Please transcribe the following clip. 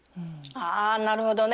ああなるほどね。